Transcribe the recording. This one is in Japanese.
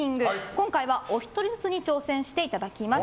今回は、お一人ずつに挑戦していただきます。